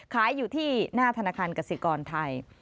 ขายอยู่ที่หน้าธนาคารกสิกรไทย